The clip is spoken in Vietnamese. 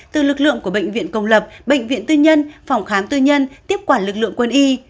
từ lực lượng của bệnh viện công lập bệnh viện tư nhân phòng khám tư nhân tiếp quản lực lượng quân y